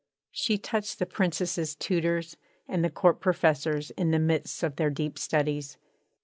She touched the Princess's tutors and the Court professors in the midst of their deep studies.